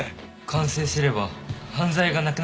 完成すれば犯罪がなくなるんですか？